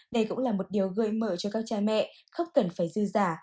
đây cũng là một điều gợi mở cho các cha mẹ không cần phải dư giả